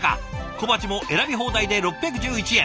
小鉢も選び放題で６１１円。